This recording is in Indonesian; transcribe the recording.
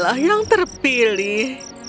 dialah yang terpilih